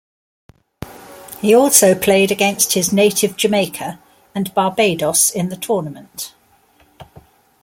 He also played against his native Jamaica and Barbados in the tournament.